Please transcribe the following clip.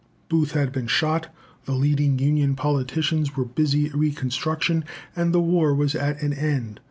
Booth had been shot, the leading Union politicians were busy at reconstruction, and the war was at an end.